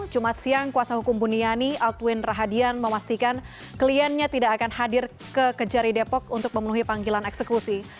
jumat siang kuasa hukum buniani altwin rahadian memastikan kliennya tidak akan hadir ke kejari depok untuk memenuhi panggilan eksekusi